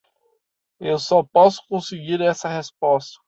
Eu só posso conseguir essa resposta